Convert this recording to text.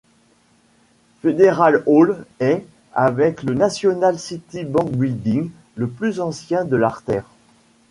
Federal Hall est, avec le National City Bank Building, le plus ancien de l'artère.